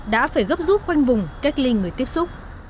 đã phải gấp rút quanh vùng cách ly người tiếp xúc